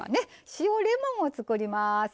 塩レモンを作ります。